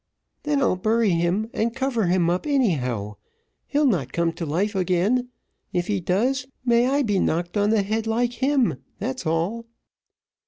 "Then I'll bury him and cover him up, anyhow; he'll not come to life again, if he does may I be knocked on the head like him, that's all."